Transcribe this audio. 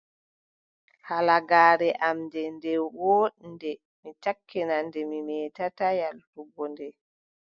Halagaare am ndee, nde wooɗnde, mi sakkina nde, mi meetataa yaaltugo nde.